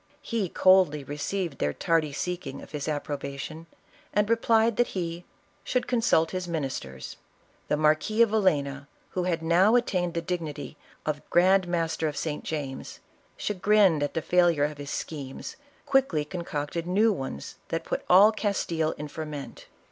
He coldly received their tardy seeking of his approbation, and replied that he "should consult his ministers." The Marquis of Vil lena, who had now attained the dignity of grand mas ter of St. James, chagrined at the failure of his schemes, quickly concocted new ones that put all Castile in fer ment.